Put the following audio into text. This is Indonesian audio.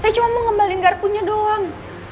saya cuma mau ngembalin garpunya doang